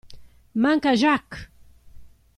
Manca Jacques!